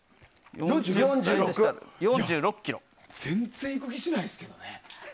全然いく気しないですけどね。